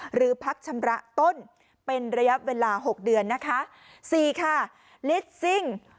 หรือพักชำระต้นเป็นระยะเวลา๖เดือน